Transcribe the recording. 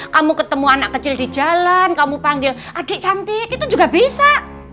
kamu ketemu anak kecil di jalan kamu panggil adik cantik itu juga bisa